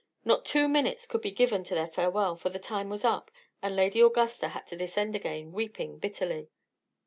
Not two minutes could be given to their farewell, for the time was up, and Lady Augusta had to descend again, weeping bitterly.